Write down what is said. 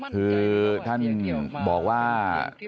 คือท่านบอกว่า